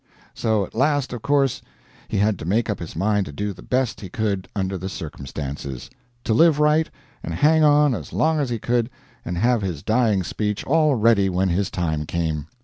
So at last, of course, he had to make up his mind to do the best he could under the circumstances to live right, and hang on as long as he could, and have his dying speech all ready when his time came.